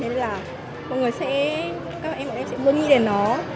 thế nên là mọi người sẽ các em sẽ luôn nghĩ đến nó